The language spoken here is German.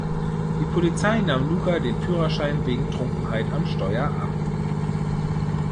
Die Polizei nahm Luca den Führerschein wegen Trunkenheit am Steuer ab.